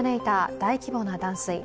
大規模な断水。